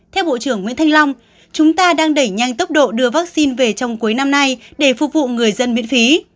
theo bộ trưởng nguyễn thanh long chúng ta đang đẩy nhanh tốc độ đưa vaccine về trong cuối năm nay để phục vụ người dân miễn phí